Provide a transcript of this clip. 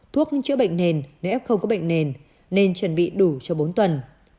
thuốc chữa bệnh nền nếu f không có bệnh nền nên chuẩn bị đủ cho bốn tuần